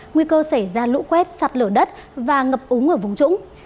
nguy cơ xảy ra lũ quét sạt lở đất và ngập úng ở vùng trũng